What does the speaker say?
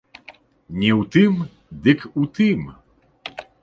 Не ў тым, дык у тым.